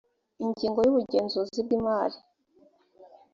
ingingo ya ubugenzuzi bw imari